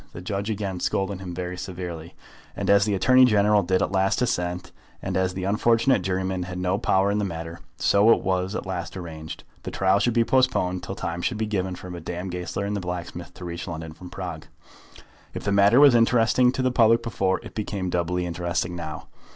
The judge again scolded him very severely; and as the Attorney General did at last assent, and as the unfortunate jurymen had no power in the matter, so it was at last arranged. The trial should be postponed till time should be given for Madame Goesler and the blacksmith to reach London from Prague. If the matter was interesting to the public before, it became doubly interesting now.